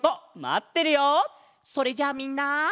それじゃあみんな。